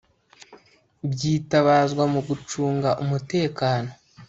byitabazwa mu gucunga umutekano